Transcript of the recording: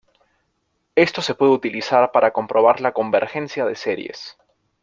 Esto se puede utilizar para comprobar la convergencia de series.